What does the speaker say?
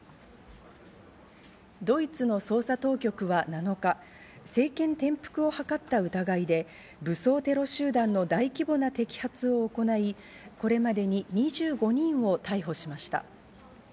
ドイツの捜査当局は７日、政権転覆を図った疑いで、武装テロ集団の大規模な摘発を行い、これまでに２５人を逮捕しました。